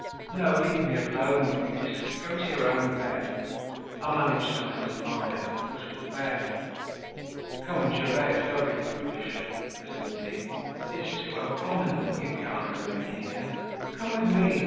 "No, leave me alone, Auguste. Go to your own bed. I'll manage somehow to lie at the foot of the bed." "Come, Gervaise, don't be foolish," resumed he. "It's too abominable; you can't remain here. Come with me.